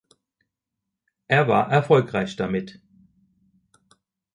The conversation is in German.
Er war erfolgreich damit.